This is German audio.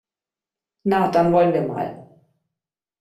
Na, dann wollen wir mal!